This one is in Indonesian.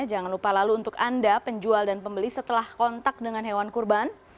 jangan lupa lalu untuk anda penjual dan pembeli setelah kontak dengan hewan kurban